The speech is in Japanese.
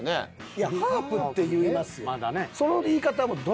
いやハープって言いますよ。